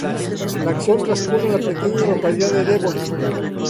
La acción transcurre en la pequeña localidad de Devon.